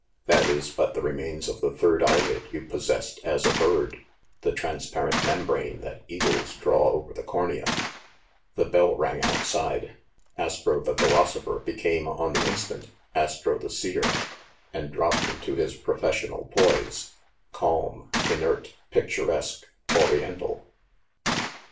That is but the remains of the third eyelid you possessed as a bird, ‚ÄĒ the transparent mem brane that eagles draw over the cornea." The bell rang outside. Astro the Philosopher be came, on the instant, Astro the Seer, and dropped into his professional poise, ‚ÄĒ calm, inert, picturesque, ori ental.